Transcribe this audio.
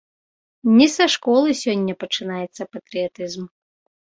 Не са школы сёння пачынаецца патрыятызм.